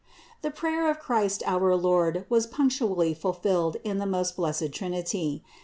336. The prayer of Christ our Lord was punctually fulfilled in the most blessed Trinity.